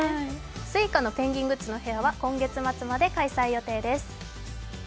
Ｓｕｉｃａのペンギングッズのフェアは今月末まで開催予定です。